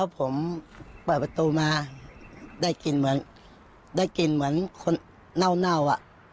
ผมเปิดประตูมาได้กินเหมือนได้กินเหมือนคนเน่า